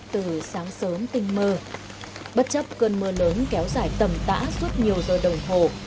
từ sáng sớm tinh mơ bất chấp cơn mưa lớn kéo dài tẩm tã suốt nhiều giờ đồng hồ